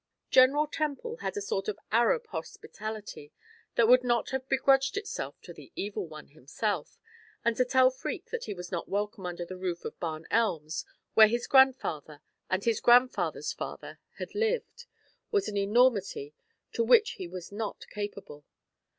General Temple had a sort of Arab hospitality that would not have begrudged itself to the Evil One himself, and to tell Freke that he was not welcome under the roof of Barn Elms, where his grandfather and his grandfather's father had lived, was an enormity of which he was not capable.